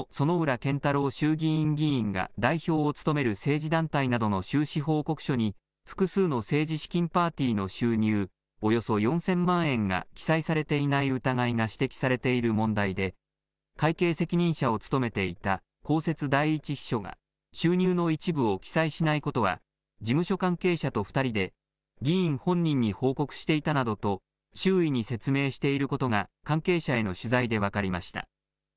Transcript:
健太郎衆議院議員が代表を務める政治団体などの収支報告書に、複数の政治資金パーティーの収入およそ４０００万円が記載されていない疑いが指摘されている問題で、会計責任者を務めていた公設第１秘書が、収入の一部を記載しないことは、事務所関係者と２人で議員本人に報告していたなどと、周囲に説明していることが関係者への取材で分かりました。